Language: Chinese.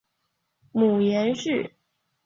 母阎氏。